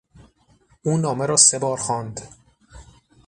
او نامه را سه بار خواند.